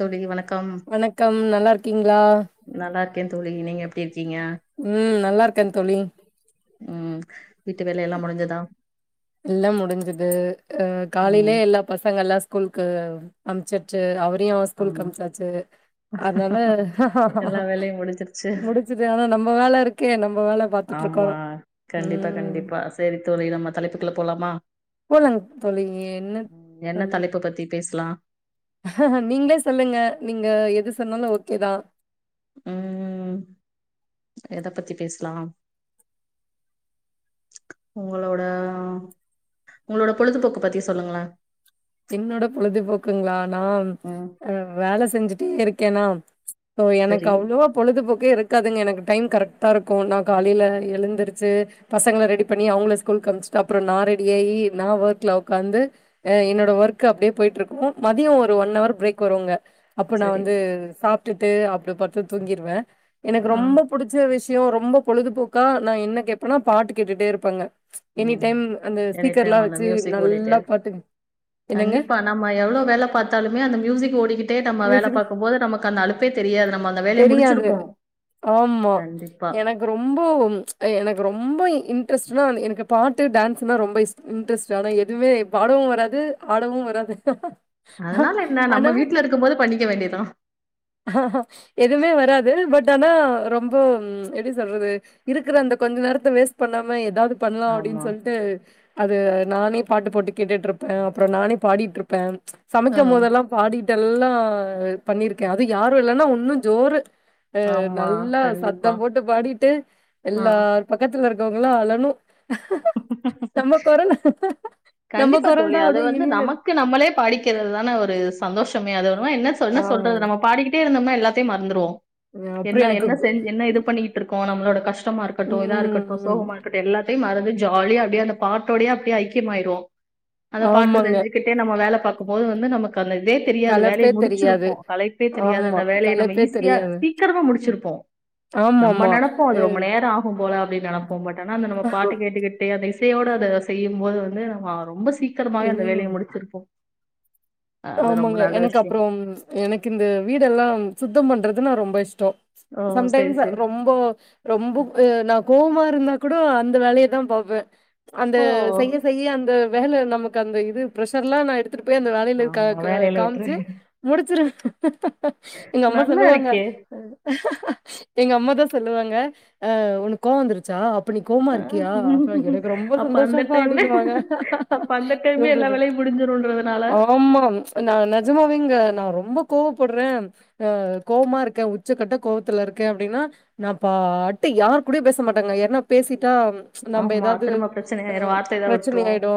தோழி வணக்கம் வணக்கம் நல்லா இருக்கீங்களா நல்லா இருக்கே தோழி நீங்க எப்டி இரு உம் நல்லா இருக்கே தோழி ம் வீட்டு வேலயெல்லா முடிஞ்சுதா எல்லா முடிஞ்சுது அஹ் காலைலே ம் எல்லா பசங்கெல்லா ஸ்கூல் கு அம்ச்சிட்டு அவர் ரயு ஸ்கூல்க்கு ஆமா அம்ச்சாச்சு அத்னால எல்லா வேலையு முடிஞ்சிருச்சு முடிச்சுட்டே ஆனா நம்ம வேல இருக்கே வேல பாத்துட்டு இருக்கோ ஆமா கண்டிப்பா ம் கண்டிப்பா சேரி தோழி நம்ம தலைப்புக்குள்ள போலாமா போலாங் தோழி என்ன தலைப் ஸ்லா நீங்ளே சொல்லுங்க நீங்க எது சொன்னாலு ஓகே தா உம் எத பத்தி பேஸ்லா உங்களோட உங்களோட பொழுதுபோக்கு பத்தி சொல்லுங்களே என்னோட பொழுதுபோக்குங்களா நான் ம் ஆ வேலை செஞ்சு இருக்கேனா சோ எனக்கு சரி அவ்ளோவா பொழுதுபோக்கே இருக் ருக்காதுங்க எனக்கு டைம் கரெக்டா இருக்கும் நான் காலைல எழுந்துருச்சு பசங்கள ரெடி பண்ணி அவங்க ஸ்கூல்க்கு அனுப்சிட்டு அப்பறம் நான் ரெடியாயி நான் ஒர்க்ல உக்காந்து என்னோட என்னோட ஒர்க் அப்படியே போயிட்டு இருக்கும் மதியம் ஒரு ஒன் அவர் பிரேக் வருவங்க அப்ப நான் சரி வந்து சாப் விட்டுட்டு அப்டி படுத்து தூங்கிடுவே எனக்கு ஆ ரொம்ப புடிச்ச விஸ் விஸயம் ரொம்ப பொழுதுபோக்கா நான் என்ன கேப்பனா பாட்டு கேட்டுட்டே இருப்பேங்க எனி ம் டைம் அந்த எனி டைம் ஸ்பீக்கர்லாம் அந்த வச்சு மியூசிக் ஓடிட்டே நல்லா பாட்டு என்னங்க? கண்டிப்பா நம்ம எவ்வளவு வேலை பாத்தாலுமே அந்த மியூசிக் ஓடிக்கிட்டே நம்ம வேலை மியூசிக் பாக்கும் போது நமக்கு அந்த அழுப்பே தெரியாது நம்ம அந்த வேலைய தெரியாது. முடிச்சிருப்போம் ஆமா. கண்டிப்பா எனக்கு ரொம்ப ம், எனக்கு ரொம்ப இன்ட்ரெஸ்ட்னா எனக்கு பாட்டு டான்ஸ்னா ரொம்ப இஸ் இன்ட்ரஸ்ட் ஆனா எதுமே பாடவும் வராது ஆடவும் வராது அதனால என்ன நம்ம வீட்ல இருக்கும் போது பண்ணிக்க வேண்டிதுதான் ஆஹ்ஹ எதுவுமே வராது பட் ஆனா ரொம்ப எப்டி சொல்றது இருக்குற அந்த கொஞ்ச நேரத்தை வேஸ்ட் பண்ணாம ஏதாவது பண்ணலாம் ஆமா அப்டின்னு சொல்ட்டு அது நானே பாட்டு போட்டு கேட்டுட்டுருப்பன் அப்றம் நானே பாடிட்டுருப்பன் ஆ சமைக்கும் போதெல்லாம் பாடி எல்லாம் பண்ணிர்க் ஓகே அது யாரும் இல்லனா உன்னு ஜோரு ஆ ஆமா நல்லா கண்டிப்பா சத்தம் போட்டு பாடிட்டு ஆ எல்லார் பக்கத்துல இருக் கவங்களா அழனும் நம்ப கொரோனா கண்டிப்பா தோழி அது வந்து நமக்கு நம்மளே பாடிக்கிறது தான ஒரு சந் சந்தோஷமே அது ஆமா என்ன சொன்ன என்ன சொல்றது ஆமாங்க நம்ம பாடிக்கிட்டே இருந்தோம்னா எல்லாத்தையும் மறந்துருவோம் அப்றோ என்ன எனக்கு என்ன கு- செஞ் என்ன இது பண்ணிட்டு இருக்கோம் நம்மளோட கஷ்டமா இருக்கட்டு இதா இருக்கட்டு ம் சோகமா இருக்கட்டு எல்லாத்தையும் மறந்து ஜாலியா அப்டியே அந்த பாட்டோடயே அப்டிய ஐக்கியமாய்டுவோம் [inaudible] அதபாட்டு ஆமாங்க செஞ்சுகிட்டே நம்ம வேல பாக்கும் போது வந்து நமக்கு அந்த இதே தெரியாது வேலைய கலப்பே தெரியாது முடிச்சிருப்போம் தலைப்பே தெரியாது ஆமா அந்த வேலைய நம்ம கலப்பே ஈஸியா தெரியாது சீக்கிரமா முடிச்சிருப்போம் நம்ம ஆமாமா நினப்போம் அது அ ரொம்ப நேரம் ஆகும் போல அப்படின்னு நினப்போம் பட் ஆனா அ நம்ம பாட்டு கேட்டுக்கிட்டே அ சேயோட அத செய்யும் போது வந்து மா ரொம்ப சீக்கிரமாவே அந்த ம் வேலைய முடிச்சிருப்போ ஆமாங்க எனக்கு விஷயம். அப்புறம் எனக்கு இந்த வீடெல்லாம் சுத்தம் பண்றது நா ரொம்ப இஷ் தோ ஓ! சரி, சம்டைம்ஸ் சரி. ரொம்ப ரொம்ப அ நா கோவமா இருந்தா கூட அந்த வேலைய தா பாப்பே அந்த ஓ! செய்ய செய்ய அந்த வேல நமக்கு அந்த இது ப்ரெஷர்ல்லா நா எடுத்துட்டு போய் அந்த வேல க ஆமா க வேலையில விட்டுரு. காமிச்சு முடிச்சிரு எங்க அம்மா நல்லா சொல்லுவாங்க இருக்கே! அ எங்க அம்மா தா சொல்லுவாங்க ஆ உனுக் கோவோ வந்துருச்சா அப்ப நீ கோவமா ஆ இருக்கியா அப்ப எனக்கு ரொம்ப அப்ப அந்த சந்தோஷப்பா டைம்ல அப்டினு வாங்க அப்ப அந்த டைம்லயே எல்லா [unintelligible] வேலையும் முடிஞ்சிருன்றதுனால ஆமா ஆஹ் நெஜமாவேங்க நா ரொம்ப கோவப்படுறே அஹ் கோவமா இருக்கே உச்சக்கட்ட கோவத்துல இருக்க அப்டின்னா நா பாட்டு யாரு கூடயு பேச மாட்டாங்க யார்ன்னா பேசிட்டா நம்ம ஆமா ஏதாவது திரும்ப பிரச்சனை ஆயிரும். அஹ் வார்த்தை தான் பிரச்சனை விட்டுரும். ஆயிடு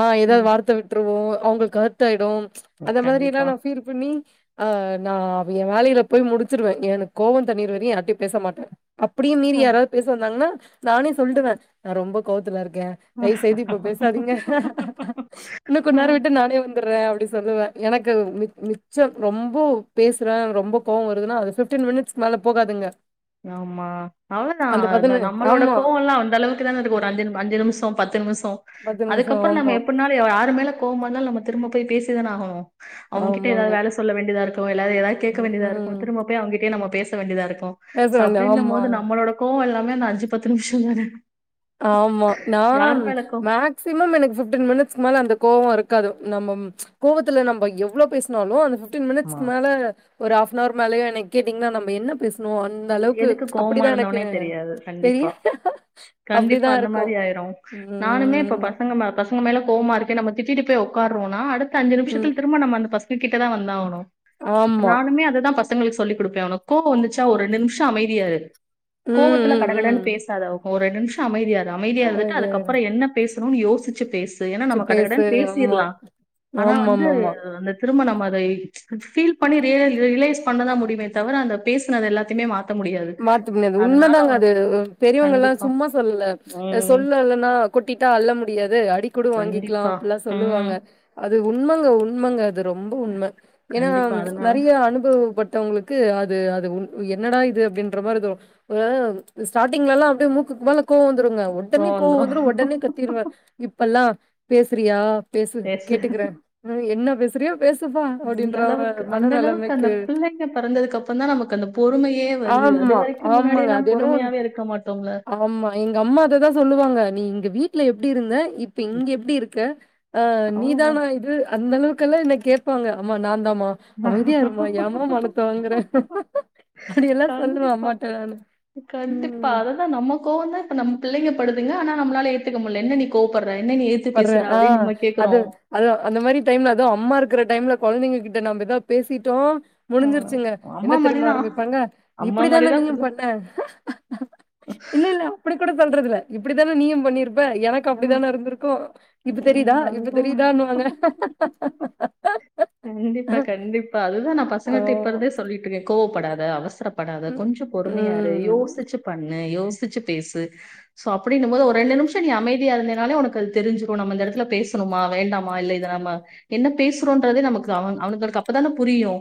ஆஹ் ம். ஏதாவது வார்த்த விட்டுருவோ அவங்களுக்கு ஹர்ட் டாயிடும் அந்த மாதிரி எல்லா கண்டிப்பா. நா ஃபீல் பண்ணி ஆஹ் நா என் வேலையில போய் முடிச்சிருவே எனக்கு கோவம் தனியிர வரையு யார்ட்டயு பேச மாட்டே அப்டியு மீறி யாராவது பேச வந்தாங்கன்னா நானே சொல்டுவே நா ரொம்ப கோவத்துல இருக் கே தயவுசெய்து இப்ப பேசாதீங்க இன்னு கொஞ்ச நேரோ ம். விட்டு நானே வந்துடுறே சொல்லுவே எனக்கு மி மிச்சம் ரொம்போ பேசுறே ரொம்ப கோவம் வருதுன்னா அது பிப்டீன் மினிட்ஸ்க்கு மேல போகாதுங்க ஆமா அவ்வளோதா அந்த பதினு நம்மளோட ஆமா கோவம் எல்லா அந்தளவுக்கு தானே ஒரு அஞ்சு அஞ்சு நிமிஷம் பத் துமிஸ் பத்து நிமிஷோ அதுக்கப்புறோ நம்ம ஆமா எப்டினாலு யாரு மேல கோவமா இருந்தாலு நம்ம திரும்ப போய் பேசி இதுனாகு அவங்ககிட்ட ஆமாங்க ஏதாவது வேல சொல்ல வேண்டியதா இருக்கு எல்லாரு ஏதாது கேட்க வேண்டியதா இருக்கு ம் திரும்ப போய் அவங்கிட்டயே நம்ம பேச வேண்டியதாருக் கு பேச ச வேண்டிய அப்டினும் ஆமா போது நம்மளோட கோ ஓ எல்லாமே நா அஞ்சு பத்து நிமிஷம் தானே ஆமா நா மேக்சிமம் எனக்கு பிப்டின் மினிட்ஸ்க்கு மேல அந்த கோவோ இருக்காது நம்ம கோவத்துல நம்ம எவ்வளோ பேசினாலு அது ஃபிஃப்டின் ஆமா. மினிட்ஸ்க்கு மேல ஒரு ஹாஃப்னவர் மேலே என்ன கேட்டீங்கன்னா நாம்ப என்ன பேச ஓ அந்த அளவுக்கு எதுக்கு கோவமா அப்படிதான் எனக்கு இருந்தோம்னே தெரியாது. பெரிய கண்டிப்பா. கண்டிப்பா அந்த மாரி ஆயிரும் நானுமே இப்ப ம், பசங்க மே ப சங்க மேல கோவமா இருக்கே நம்ம திட்டிட்டு போய் உக்கார்றோனா அடுத் த அஞ்சு ம். நிமிஷத்தில திரும்ப நம்ம அந்த பச ங்ககிட்டதா வந்தாவனும் ஆமா. நானுமே அதுதா பச ங்களுக்கு சொல்லி கொடுப்பே உனக்கு கோவ வந்துச்சா ஒரு நிமிஷ அமைதியா இரு ம், கோவத்துல ம், கட கடன்னு ம். பேசாதா ஒ ஒரு ரெண்டு நிமிஷ அமைதியா இரு அமைதியா இருந்துட்டு அதுக்கப்புற என்ன பேச றோனு யோசிச்சு பேசு ஏனா ச்சு நம்ம கட பேசு. கடனு ஆமா. பேசிர்லாம் ஆனா வந்து ஆமாமாமா. அந்த திரும்ப நம்ம அதை ஃபீல் பண்ணி ரியல ரியலைஸ் பண்ணதா முடியமே தவிர அந்த பேசனது எல்லாத்தையுமே மா மாத்த முடியாது உண்மதாங்க அது பெரியவங்க எல்லா கண்டிப்பா. சும்மா சொல்லல ம். சொல்லலன்னா கொட்டிட்டா அள்ள முடியாது அடி கூட வாங்கிக்கலாம் கண்டிப்பா. அப்படிலா ம். சொல்லுவாங்க அது உண்மங்க உண்மங்க அது ரொம்ப உண்ம ஏன்னா கண்டிப்பா அதனால நெறய அனுபவப்பட் த்தவங்களுக்கு அது அது உ என்னடா இது டின்ற மாதிரி தோணு ஒரு ஸ்டாட்டிங்லலாம் அப்படியே மூக்குக்கு மேல கோவ வந்துருங்க உடனே கோவம் கோவ வந்துரும் வந்துரு உடனே கத்திருவே ப்பல்லாம் பேசறியா பேசு கேட்டுக்கற உன்னால என்ன பேச அந்த அளவுக்கு அந்த அளவுக்கு அந்த மனநெலைமைக்கு பிள்ளைங்க பெறந்ததுக்கு அப்புறந் தா நமக்கு அந்த பொறுமையே வரு ஆமா ஆமாங்க அது என்னவோ உ இருக்க மாட்டோம்ல ஆமா எங்க அம்மா அத தா சொல்லுவாங்க நீ இங்க வீட்டுல எப்படி இருந்த இப்ப இங்க எப்டி இருக்க ஆஹ் நீதானா அவ்வளவுதான் இது அந்த அளவுக்கு க்கலா என்ன கேப்பாங்க அம்மா நா ந்தா மா அமைதியா இருமா ஏமா மானத்த வாங்கற அப்படியெல்லா கண்டிப்பா கண்டிப்பா அததா நம்ம கோவந்தா இப்ப நம்ம பிள்ளைங்க படுதுங்க ஆனா நம்மளால ஏத்துக்க முடியல என்ன நீ கோவப்பட படுறே ஆ அது அதா அந்த மாரி டைம்ல அது அம்மா இருக்கிற டைம்ல கொழந்தைங்ககிட்ட நம்ப் எதாத் பேசிட்டோ ஹம், முடிஞ்சிருச்சுங்க என்ன அம்மா தெரிமா மாதிரிதான் ஆரம்பிப்பாங்க அம்மா இப்படி தானே மாதிரிதான் நீயு பிள்ளை பண்ண இல்ல இல்ல அப்படி கூட [unintelligible] இப்படித்தானே நீயு பண்ணியிருப் இப்ப எனக்கு அப்டித்தான இருந்திருக் ம் வந்தா கண்டிப்பா கண்டிப்பா அதுதா நான் பசங்கிட் ஓ! இப்பறதே சொல்லிட்ருக்கே கோவப்படாத அவசரப் படாத ம். கொஞ்சோ பொறுமையா இரு ம். யோசிச்சு பண் யோசிச்சு பேசு சோ அப்டினும் போது ஒரு ரெண்டு நிம்ஷோ நீ அமைத் [inaudible] இருந்தனாலே உனக்கு அது தெரிஞ்சிறோ நம்ம இந்த எடத்துல பேசணுமா வேண்டாமா இல்ல இத நாம்ம என்ன பேசுறோன்றது நமக்கு அவங் அவ அவனுக்கு அப்பதான புரியு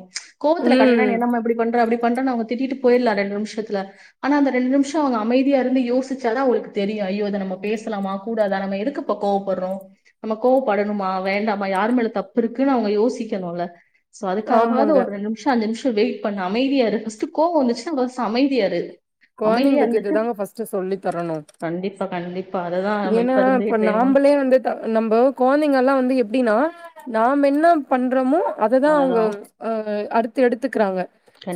கோவத்துல கடகடன்னு ம். என்ன மா இப்டி பண்ற அப்டி [unintelligible] அவுங்க திட்டிட்டு போய்ட்லா ரெண்ட் நிமிஷத்துல ஆனா அந்த ரெண்ட் நிம்ஷோ அவுங்க அமைதிய இருந்து யோசிச்சா தா அவ்ளுக்கு தெரியு ஐயோ இத நாம பேசலாமா கூடாதா நாம எதுக் இப்ப கோவப்பட்றோ நம் கோவப்படணுமா வேண்டாமா யாரு மேல தப்பு இருக்குன்னு அவுங்க யோசிக்கணுல்ல சோ அதுக்காகவது ஆமாங்க. ஒரு ரெண்டு நிஷோ அஞ்சு நிஷோ வெயிட் பண்ணு அமைதியா இரு ஃபஸ்ட்டு கோவு வந்துச்சுனாஃபஸ் அமைதியா இரு அமைதியா கொழந்தைங்ளுக்கு இது இருந்துட்டு தாங்க பஸ்ட்டு சொல்லி தரணு [unintelligible] இப்ப அத தா [unintelligible] ஏனா இப்ப நாம்பளே வந்து த நம்போ கொழந்தைங்கில்லா வந்து எப்டினா நாம் என்னம் பண்றோமோ அத தா பண்ணணும் அவுங்க அததான் அ அடுத்து எடுத்துக்கிறாங்க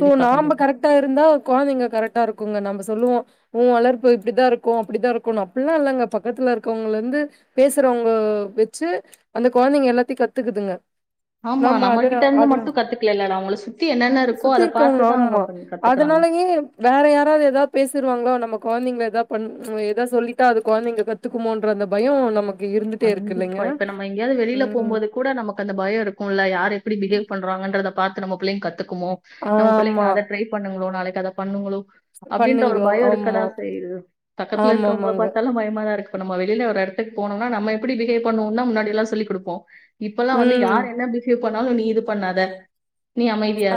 சோ நாம்ப கண்டிப்பா கரெக்டா இருந்தா கொழந்தைங்க கரெக்டா இருக்குங்க நம்ப சொல்லுவோ உ வளர்ப்பு இப்டி தா இருக்கு அப்டி தா இருக்குனு அப்பில்லாஇ ல்லங்க பக்கத்துல இருக்கவங்களுந்து பேசுறவங்க வெச்சு அந்த கொழந்தைங்க எல்லாத்தையு கத்துக்குதுங்க ஆமா நம்ப நம்ம அது கிட்ட இருந்து அது மட்டும் கத்துக்கல அவங்கள சுத்தி என்னென்ன இருக்கோ சுத்தி அதை இருக்கவங்க பார்த்துதான் அவங்க ஆமா பண்ணி கத்துக்கிறாங்க அதனாலயே வேற யாராவ்து எதாவ் பேசிருவாங்ளோ நம்ம கொழந்தைங்ளா எதா பண்ண எதா சொல்லிட்டா அது கொழந்தைங்க கத்துக்குமோன்ற அந்த பயோ நமக்கு இருந்துட்டே இருக்கு கண்டிப்பா இல்லைங்க இப்ப நம்ம எங்கயாவ்து வெளில ம் போமோது கூட நமக் அந்த பயோ இருக்கோல்ல யார் எப்படி பிஹேவ் பண்றாங்கன்றத பாத்து நம் பிள்ளயு க துக்குமோ நம்ம பிள்ளைங்க ஆமா அத ட்ரை பண்ணுங்ளோ நாளைக்கு அத பண்ணுங்களோ அப்டின்ற ஒரு பண்ணுங்களோ பயோ இருக்க தா ஆமா செய்யுது பக்கத்துல இருக்கவங்ள ஆமாமாங்க பாத்தாலு பயமாதா இருக்கு இப்ப நம்ம வெளில ஒரு எடத்துக் போணுன் நம்ம எப்படி பிஹேவ் பண்ணுவோன் தா முன்னாடி எல்லா சொல்லி குடுப்போ இப்பெல்லா வந்து ம் யார் என்ன பிஹேவ் எது பண்ணாலும் நீ இது பண்ணாத நீ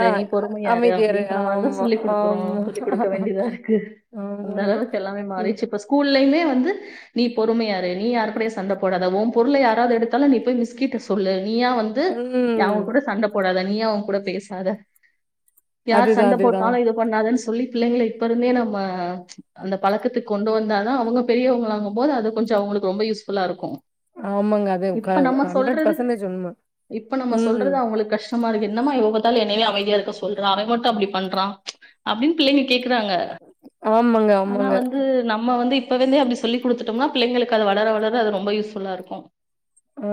ஆ நீ பொறுமையாரு அமைதியாரு அப்டின்ற மாரிதா ஆமா சொல்லி குடுக்குறோ ஆமா சொல்லி குடுக்க வேண்டியதாருக்கு ஆமாங்க அந்தளவுக்கு எல்லாமே ம் மாறிச்சு இப்ப ஸ்கூல்லயுமே வ ந்து நீ பொறுமையாரு நீ யார்கூடய ஸ் சண்ட போடாத ஓ பொருள யாராவ்து எடுத்தாலு நீ மிஸ்கிட்ட சொல்லு நீயா வந்து ய ம் அவுங்க கூட சண்ட போடாதன் நீயூ அவங்கூட பேசாத யார் அதுதா சண்ட அதுதா போட்டாலு இது பண்ணாதன் ஸ் சொல்லி பிள்ளைங்கள இப்பருந்தே நம்ம அந்த பழக்கத்துக்கொண்டு வந்தாதா அவுங்க பெரியவங்களாகும் போது அத கொஞ்சோ அவங்களுக் ரொம்ப யூஸ் ஃபுல்லாருக்கு ஆமாங்க அது க இப்ப நம்ம ஹண்ட்ரட் சொல்றது பர்சன்டேஜ் உண்ம இப்ப நம்ம ம் சொல்றது அவங்களுக் கஷ்டமாருக்கு என்னமா எப்ப பாத்தாலு என்னயவே அமைத் யாருக்க சொல்ற அவன் மட்டு அப்டி பண்றா அப்டின்னு பிள்ளைங்க கேக்குறாங்க ஆமாங்க ஆமாங்க ப வந்து அப்டி சொல்லி குடுத்துட்டம்னா பிள்ளைங்களுக் அது வளர வளர் ர அது ரொம்ப யூஸ்ஃபுல்லாருக்கு ஆ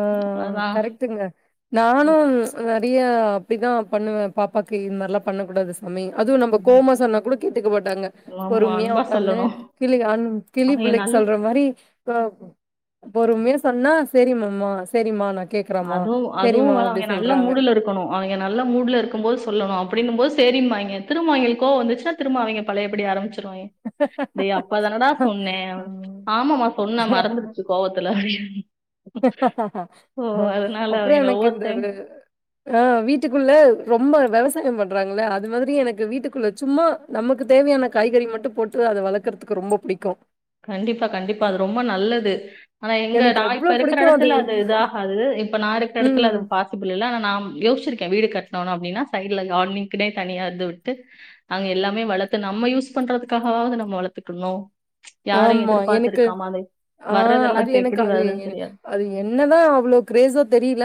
கரெக்டுங்க நானும் அ விய அப்டிதா பண்ணுவே பாப்பாக்கு இது மாத்ரிலா பண்ணக்கூடாது சாமி அதூம் நம்ம கோவமா சொன்னா கூட கேட்டுக்க மாட்டாங்க ஆமா பொறுமையா அன்பா ஒக்கான்னு சொல்லணு கிளி அன் கிளி அவைங்க பிள்ளைக்கு நல்ல சொல்ற மாரி ப பொறுமையா ஸ் சொன்னா ஸ் செரிமம்மா செரிமா நாக் அதும் அதும் வ அவங்க நல்ல மூடுல இருக்கணு அவங்க நல்ல மூடுல இருக்கும் போது சொல்லணு அப்டின்னும் போது ஸ் சரிமாய்ங்க திருமோ அவைங்களுக் கோவந்துச்சுனா திருமோ அவைங்க பழையபடி ஆரம்ப்ச் சுருவாய்ங் டே அப்பதானடா சொன்னே ம். ஆமமா சொன்ன மறந்துருச்சு கோவத்துல ஓ அ அதனால அவைங்கள ஒவ்வொர்டைம் ஆ வீட்டுக்குள்ள ரொம்ப வெவசாயம் பண்றாங்கல்ல அது மாதிரி எனக்கு வீட்டுக்குள்ள சும்மா நமக்கு தேவையான காய்கறி மட்டு போட்டு அத வளக்குறதுக்கு ரொம்போ புடிக்கு கண்டிப்பா கண்டிப்பா அது ரொம்ப நல்லது ஆனா எங்க எனக்கு நா இ அவ்ளோ ப்பருக்கிற பிடிக்கும் எடத்துல அது இது ஆகாது இப்ப நா இருக்க எடத்துல ம். அது பாசிபிள் இல்ல நாம் யோசிச்சிருக்கே வீடுக் கட்னோன் அப்டினா சைடுல கார்ட்னிங்குனே தனியா து விட்டு அங்க எல்லாமே வளத்து நம்ம யூஸ் பண்றதுக்காகவாது நம்ம வளத்துக்கனு ஆமா எனக்கு ஆ வர்றதெல்லாம் அது இப்ப எனக்கு எப்டி ஆவே வருதுன்னு என தெரியாது. அது என்னதா அவ்ளோ க்ரேஸோ தெரியில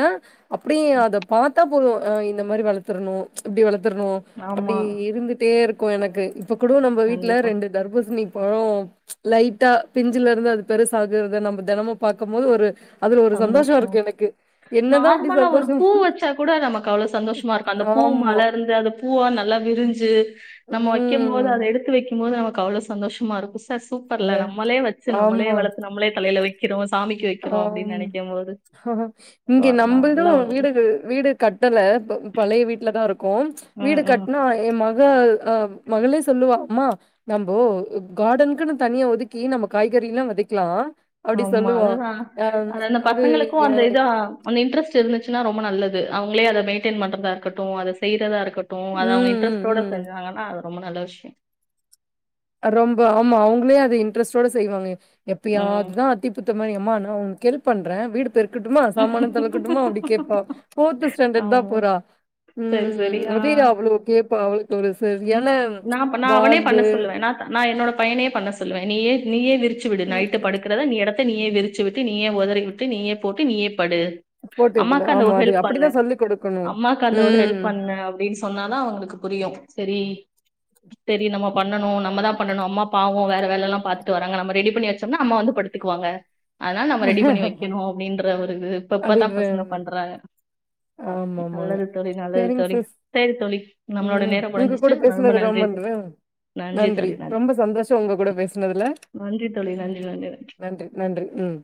அப்டியே அத பாத்தாப் போ இந்த மாரி வளத்துர்ணூ இப்டி வளத் துர்ணூ அப்டி ஆமா, இருந்துட்டேருக் கூ எனக்கு இப்ப கூட நம்ப வீட்ல கண்டிப்பா. ரெண்டு தர்பூஸ்ணி போ லைட்டா பிஞ்சுலருந்து அது பெருசாகுறத நம்ம தெனமு பாக்கும்போது ஒரு அதுல ஒரு சந்தோஷம் சந்தோஷோ இருக்கு எனக்கு. என்னதான் அப்படி நார்மலா ஒரு சந்தோஷம் பூ வச்சா கூட நமக்கு அவ்ளோ சந்தோஷமா இருக்கு அந்த பூ ஆமா. மலர்ந்து அந்த பூவா நல்லா விரிஞ்சு நம்ம வைக்கும் போது அத ம். எடுத்து வைக்கும் போது நம க்கு அவ்ளோ சந்தோஷமா இருக்கு ஸ் த சூப்பர் ல வே நம்மளே வெச்சு நம்மளே ஆமா. வளத்து நம்மளே தலையில வெக்கிறோ சாமி கி வெக்கிறோ ம் இங்கே அதெல்லாம் நல்ல நம்பல்துன்னு உணர்வு வீடு வீடு கட்டல ப பழைய வீட்டுல தா இருக் கோம் ம் வீடு ம் கட்னா எ மக அ மகளே சொல்லுவா அம்மா நம்போ காடனுக்குன்னு தனியா ஒதுக்கி நம்ம காய்கறில்லா வெதைக்கலா அப்டி சொல்லுவா அ அது அந்த பசங்களுக்கோ அந்த இதா அந்த இன்ட்ரெஸ்ட் இருந்துச்சுன்னா ரொம்ப நல்லது து அவுங்களே அத மெயின்டென் பண்றதா இருக்கட்டு அத செய்யறதா இருக்கட்டு ட்டு அத அவுங்க ம் ம் இன்டரெஸ்டோட ம் செஞ்சாங்கன்னா அத ரொம்ப நல்லா விஷயு ரொம்ப ஆமா அவுங்களே அத இன்ட்ரெஸ்டோட செய்வாங்க எப்பயாது ம் தா அத்தி பூத்த மாரி யம்மா நா ஊன் ஹெல்ப் பண்ற வீடு பெருக்கட்டுமா சமானத் தொலக்கட்டுமா அப்டி கேப்பா ஃபோர்த் ஸ்டாண்டர்ட் தா ஆமா போறா சரி சரி ம் ஆ அவயே அவ்ளோ கேப்பா ஒரு சர் என்ன நா நா அவனே வாண்டு பண்ண சொல்லுவே நா நா என்னோட பையனே பண்ண சொல்லுவே நீயே நீயே விரு ரிச்சு விடு ம் நைட்டு படுக்கறத நீ எடத் நீயே விரிச்சிவிட்டு நீயே ஒதறிவிட்டு நீயே போட்டு நீயேப் படு சப்போர்ட்டிவ்னா அம்மாக்கு அந்த ஆமா. ஒரு அது ஹெல்ப் பண்ணு அப்படிதான் சொல்லிக் குடுக்கணும். அம்மாக்கு அந்த ஒரு ம். ஹெல்ப் பண்ணு அப்டின்னு சொன்னாதா அவுங்களுக்கு புரியு செரி சேரி நம்ம பண்ணணு நம்ம தா பண்ணணு அம்மா பாவோ வேற வேல எல்லா பாத்துட்டு வராங்க நம்ம ரெடி பண்ணி வெச்சோம்னா அம்மா வந்து படுத்துக்குவாங்க அதனால நம்ம ரெடி பண்ணி வெக்கணு அப்டின்ற ஒரு இது இப்ப அது இப்பதா வ பசங்க பண்றாங்க ஆமாமாங்க. நல்லது தோலி, நல்லது சரிங்க தோலி சிஸ். சேரி தோலி நம்மளோட நேரோ முடிஞ்சிருச்சு இன்னொரு தடவ பண்றே நன்றி ரொம்ப சந்தோஷோ உங்க கூட பேசுனதுல நன்றி தோழி நன்றி நன்றி நன்றி நன்றி ம்